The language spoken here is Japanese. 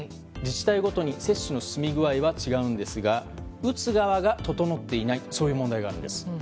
自治体ごとに接種の進み具合は違うんですが打つ側が整っていないそういう問題があるんです。